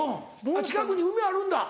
近くに海あるんだ。